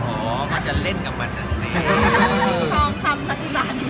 จะหาวักษณะไปเยี่ยม